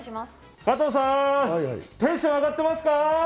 加藤さん、テンション上がってますか？